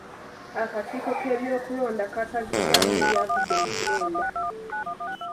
Akakiiko k'ebyokulonda kasazizzaamu ebyavudde mu kulonda.